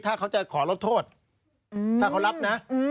ถ้าเขาจะขอลดโทษถ้าเขารับนะ